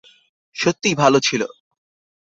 সত্যিই ভালো ছিল।